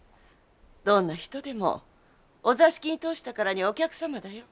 どんな人でもお座敷に通したからにはお客様だよ。